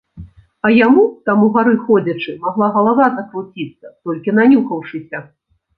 А яму, там угары ходзячы, магла галава закруціцца толькі нанюхаўшыся.